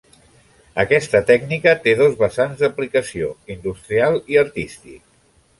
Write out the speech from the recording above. Aquesta tècnica té dos vessants d'aplicació: industrial i artístic.